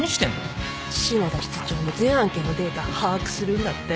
篠田室長の全案件のデータ把握するんだって。